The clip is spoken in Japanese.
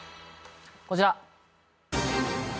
こちら！